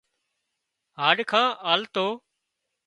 هاڏکان آلتو